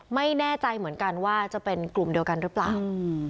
ไม่แน่ใจเหมือนกันว่าจะเป็นกลุ่มเดียวกันหรือเปล่า